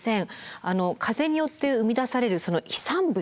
風によって生み出される飛散物。